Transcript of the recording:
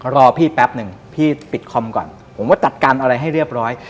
รอพี่แป๊บหนึ่งพี่ปิดคอมก่อนผมว่าจัดการอะไรให้เรียบร้อย